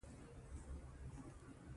وو زما کور کلي ملكيارو کې دی